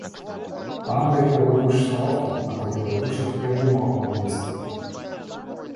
Она поехала в игрушечную лавку, накупила игрушек и обдумала план действий.